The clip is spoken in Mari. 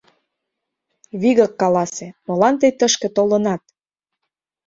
Вигак каласе: молан тый тышке толынат!